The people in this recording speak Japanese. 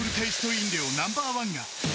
飲料ナンバーワンが